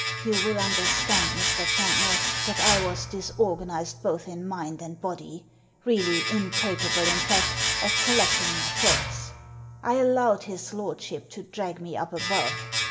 You will understand, Mr. Champnell, that I was disorganised both in mind and body — really incapable, in fact, of collecting my thoughts. I allowed his lordship to drag me up above.